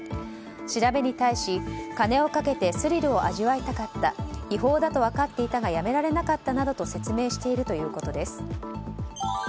調べに対し、金をかけてスリルを味わいたかった違法だと分かっていたがやめられなかったなどと説明しているということです。